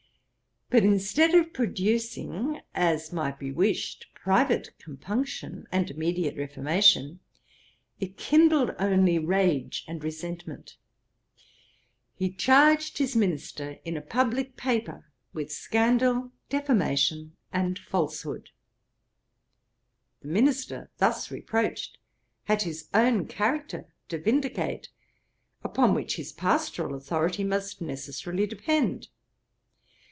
But instead of producing, as might be wished, private compunction and immediate reformation, it kindled only rage and resentment. He charged his minister, in a publick paper, with scandal, defamation, and falsehood. The minister, thus reproached, had his own character to vindicate, upon which his pastoral authority must necessarily depend.